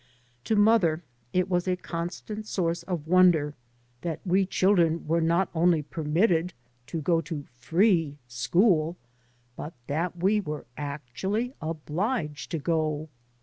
To mother it was a constant source of won der that we children were not only permitted 3 by Google MX MOTHER AND I to go to free school, but that we were actually obliged to go.